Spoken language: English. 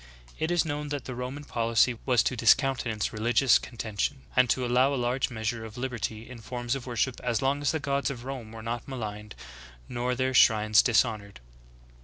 It is known that the Roman poHcy was to discountenance rehgious contention, and to allow a large measure of lib erty in forms of worship as long as the gods of Rome were not maligned nor their shrines dishonored.